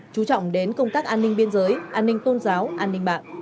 chú trọng đến công tác an ninh biên giới an ninh tôn giáo an ninh mạng